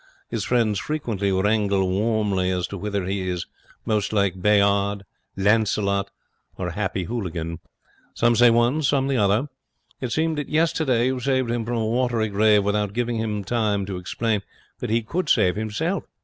His friends frequently wrangle warmly as to whether he is most like Bayard, Lancelot, or Happy Hooligan. Some say one, some the other. It seems that yesterday you saved him from a watery grave without giving him time to explain that he could save himself.